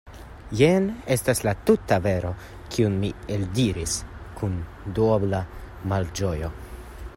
Jen estas la tuta vero, kiun mi eldiras kun duobla malĝojo.